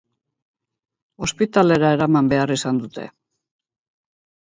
Ospitalera eraman behar izan dute.